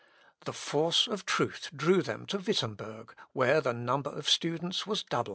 The force of truth drew them to Wittemberg, where the number of the students was doubled.